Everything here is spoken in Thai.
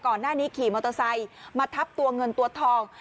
ก่อนหน้านี้ขี่มอเตอร์ไซค์มาทับตัวเงินตัวทอง